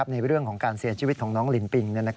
ในเรื่องของการเสียชีวิตของน้องลินปิง